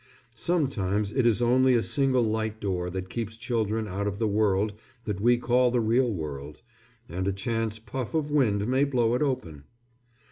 Sometimes it is only a single light door that keeps children out of the world that we call the real world, and a chance puff of wind may blow it open.